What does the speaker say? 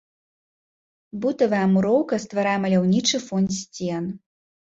Бутавая муроўка стварае маляўнічы фон сцен.